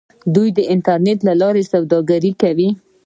دوی د انټرنیټ له لارې سوداګري کوي.